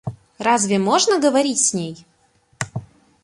Разве можно говорить с ней?